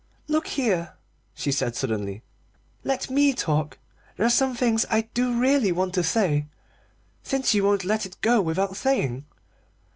"Look here," she said suddenly, "let me talk. There are some things I do really want to say, since you won't let it go without saying.